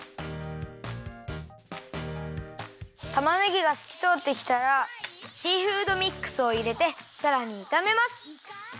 たまねぎがすきとおってきたらシーフードミックスをいれてさらにいためます。